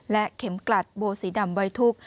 และเข็มกลัดโบสีดำไว้ทุกข